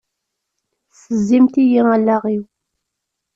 Tessezzimt-iyi allaɣ-iw!